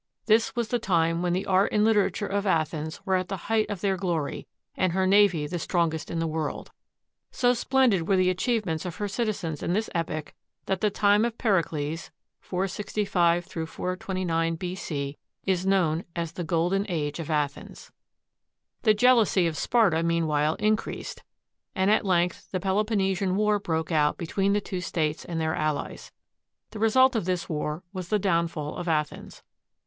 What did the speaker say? This was the time when the art and literature of Athens were at the height of their glory, and her navy the strong est in the world. So splendid were the achievements of her citizens in this epoch that the time of Pericles (465 429 B.C.) is known as the Golden Age of Athens. The jealousy of Sparta meanwhile increased, and at length the Peloponnesian War broke out between the two States and their allies. The result of this war was the downfall of Athens.